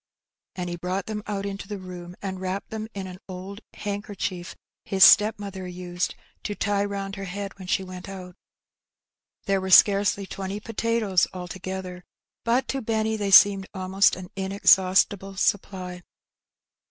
And he brought them out into the room, and wrapped them in an old handkerchief his stepmother used to tie round ler head when she went out. There were scarcely twenty potatoes altogether, but to Benny they seemed almost an inexhaustible supply.